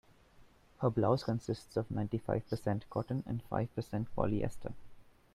Her blouse consists of ninety-five percent cotton and five percent polyester.